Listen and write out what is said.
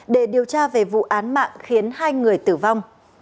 để điều tra về vụ án mạng khiến hai người tử vong